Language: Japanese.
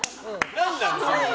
何なの？